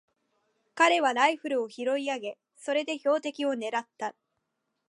彼はライフルを拾い上げ、それで標的をねらった。